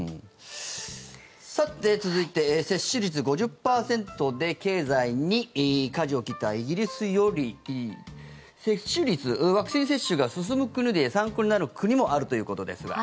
さて続いて、接種率５０％で経済にかじを切ったイギリスよりワクチン接種が進む国で参考になる国もあるということですが。